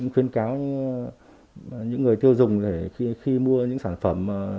khuyến cáo những người tiêu dùng khi mua những sản phẩm